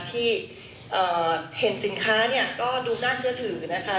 ที่เห็นสินค้าเนี่ยก็ดูน่าเชื่อถือนะคะ